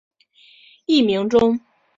艺名中。